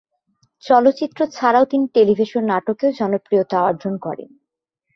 চলচ্চিত্র ছাড়াও তিনি টেলিভিশন নাটকেও জনপ্রিয়তা অর্জন করেন।